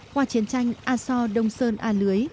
qua chiến tranh a so đông sơn a lưới